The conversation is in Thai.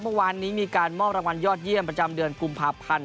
เมื่อวานนี้มีการมอบรางวัลยอดเยี่ยมประจำเดือนกุมภาพันธ์